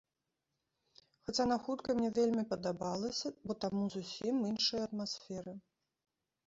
Хаця на хуткай мне вельмі падабалася, бо таму зусім іншая атмасфера.